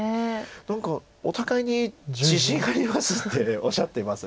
何かお互いに自信がありますっておっしゃっています